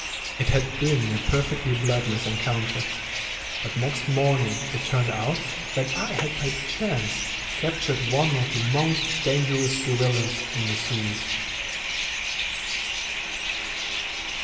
It had been a perfectly bloodless encounter, but next morning it turned out that I had by chance captured one of the most dangerous guerrillas in Missouri.